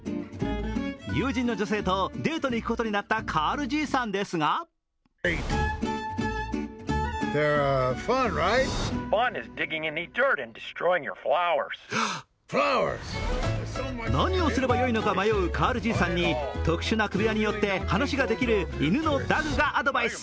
友人の女性とデートに行くことになったカールじいさんですが何をすればよいのか迷うカールじいさんに特殊な首輪によって話ができる犬のダグがアドバイス。